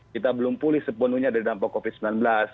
kita belum pulih sepenuhnya dari dampak covid sembilan belas